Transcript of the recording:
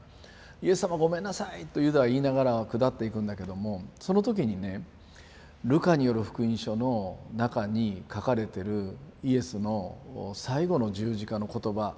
イエス様ごめんなさい！とユダは言いながら下っていくんだけどもその時にね「ルカによる福音書」の中に書かれてるイエスの最後の十字架の言葉がユダに届く。